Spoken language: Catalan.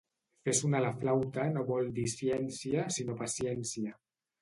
Fer sonar la flauta no vol dir ciència, sinó paciència.